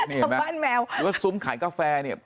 นี่เห็นมั้ยซุ้มขายกาแฟเนี่ย